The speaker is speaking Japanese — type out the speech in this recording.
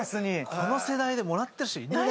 この世代でもらってる人いないべ？